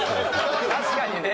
確かにね。